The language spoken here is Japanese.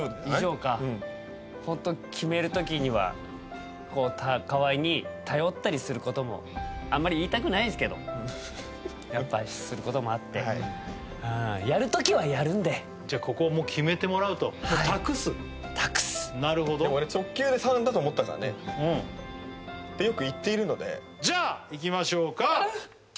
以上かホント決めるときには河合に頼ったりすることもあんまり言いたくないですけどやっぱすることもあってやるときはやるんでじゃあここも決めてもらうともう託す託すでも俺直球で３だと思ったからねでよく行っているのでじゃあいきましょうか！